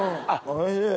おいしい。